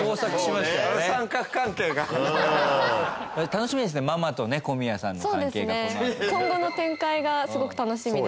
楽しみですねママとね小宮さんの関係がこのあと。